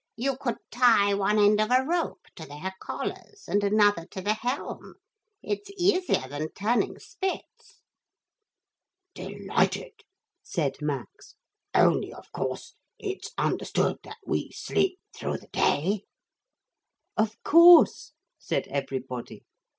You could tie one end of a rope to their collars and another to the helm. It's easier than turning spits.' 'Delighted!' said Max; 'only, of course, it's understood that we sleep through the day?' 'Of course,' said everybody.